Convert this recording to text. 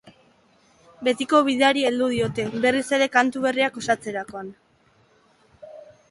Betiko bideari heldu diote berriz ere kantu berriak osatzerakoan.